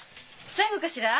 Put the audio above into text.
最後かしら？